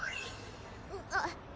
あっ。